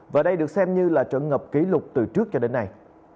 và đây được xem như là trận ngập kỷ lục từ trước cho đến nay